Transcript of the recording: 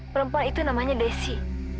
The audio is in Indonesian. perempuan itu namanya desi